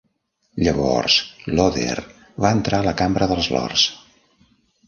Llavors Loder va entrar a la Cambra dels Lords.